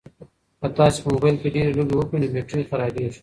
که تاسي په موبایل کې ډېرې لوبې وکړئ نو بېټرۍ خرابیږي.